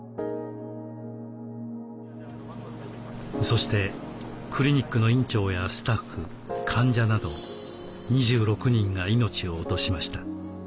そしてクリニックの院長やスタッフ患者など２６人が命を落としました。